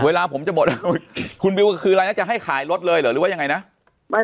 เวลาผมจะหมดคุณคืออะไรจะให้ขายรถเลยหรือว่ายังไงนะไม่